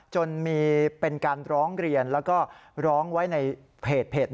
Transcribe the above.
จนมีเป็นการร้องเรียนแล้วก็ร้องไว้ในเพจ